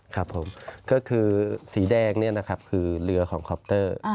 ครับผมก็คือสีแดงนี่นะครับคือเรือของคอปเตอร์